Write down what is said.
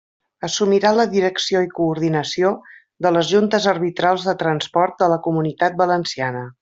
Assumirà la direcció i coordinació de les juntes arbitrals de transport de la Comunitat Valenciana.